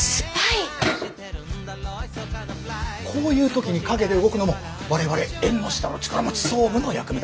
こういう時に陰で動くのも我々縁の下の力持ち総務の役目だ。